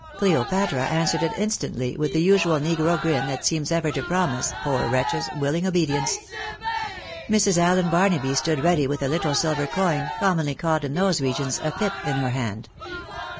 Cleopatra answered it instantly, with the usual negro grin that seems ever to promise (poor wretches !) willing obedience. Mrs. Allen Barnaby stood ready with a little silver coin, commonly called in those regions a fip,' in her hand.